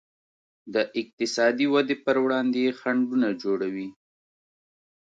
د اقتصادي ودې پر وړاندې یې خنډونه جوړوي.